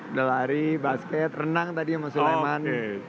udah lari basket renang tadi sama sulaiman